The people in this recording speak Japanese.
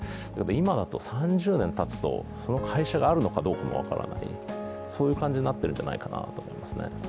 今だと３０年たつと、その会社があるのかどうかも分からない、そういう感じになっているんじゃないかなと思いますね。